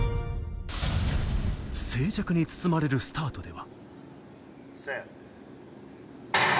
静寂に包まれるスタートでは。